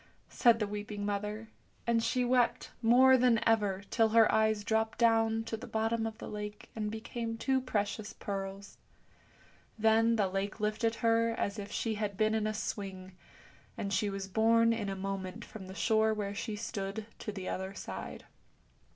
said the weeping mother, and she wept more than ever, till her eyes dropped down to the bottom of the lake and became two precious pearls. Then the lake lifted her as if she had been in a swing, and she was borne in a moment from the shore where she stood to the other side.